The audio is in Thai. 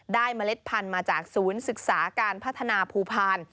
เมล็ดพันธุ์มาจากศูนย์ศึกษาการพัฒนาภูพาล